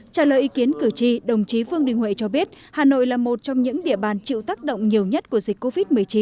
trả lời ý kiến cử tri đồng chí vương đình huệ cho biết hà nội là một trong những địa bàn chịu tác động nhiều nhất của dịch covid một mươi chín